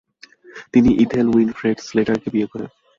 তিনি Ethel Winifred Slater কে বিয়ে করেন।